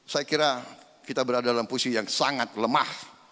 saya kira kita berada dalam posisi yang sangat lemah